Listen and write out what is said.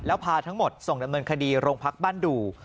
แล้วพาทั้งหมดส่งดำเนินคดีโรงพักบ้านดู